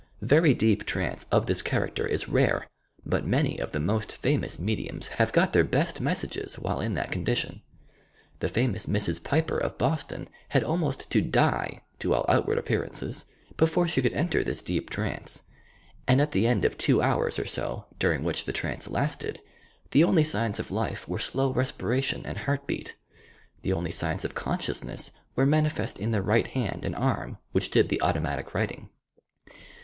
Very deep trance of this character is rare, but many of the most famous mediums have got their best messages while in that con dition. The famous Mrs. Piper of Boston had almost to die, to all outward appearances, before she could enter this deep trance, and at the end of two hours or so, during which the trance la.stcd, the only signs of life were slow respiration and heart beat. The only signs of consciousness were manifest in the right hand and arm which did the automatic writing.